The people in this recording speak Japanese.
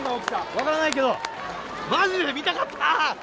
分からないけど、まじで見たかった！